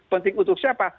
penting untuk siapa